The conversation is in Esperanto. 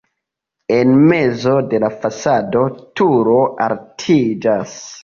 En mezo de la fasado turo altiĝas.